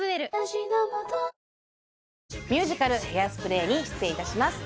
ミュージカル「ヘアスプレー」に出演いたします